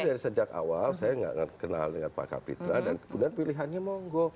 pada awal saya nggak kenal dengan pak kapitra dan kemudian pilihannya mau gue